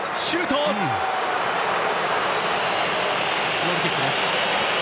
ゴールキックです。